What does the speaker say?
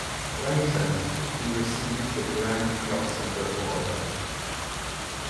Later, he received the Grand Cross of the order.